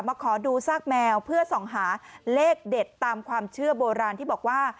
ขอดูซากแมวเพื่อส่องหาเลขเด็ดตามความเชื่อโบราณที่บอกว่า